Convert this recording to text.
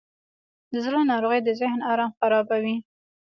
د زړه ناروغۍ د ذهن آرام خرابوي.